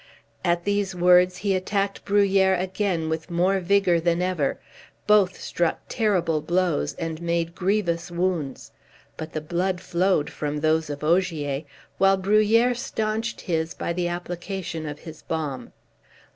At these words he attacked Bruhier again with more vigor than ever; both struck terrible blows, and made grievous wounds; but the blood flowed from those of Ogier, while Bruhier stanched his by the application of his balm.